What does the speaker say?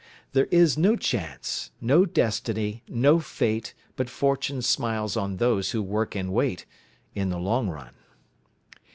There is no Chance, no Destiny, no Fate, But Fortune smiles on those who work and wait, In the long run.